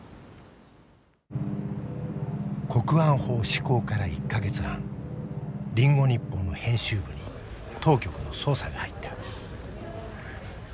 国安法施行から１か月半リンゴ日報の編集部に当局の捜査が入った。